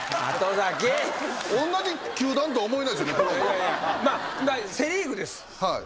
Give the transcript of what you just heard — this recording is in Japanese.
いやいやまあセ・リーグです。